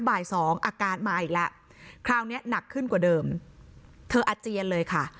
บ่ายสองอาการมาอีกแล้วคราวนี้หนักขึ้นกว่าเดิมเธออาเจียนเลยค่ะ